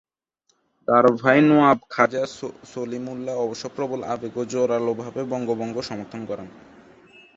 তাঁর ভাই নওয়াব খাজা সলিমুল্লাহ অবশ্য প্রবল আবেগে ও জোরালোভাবে বঙ্গভঙ্গ সমর্থন করেন।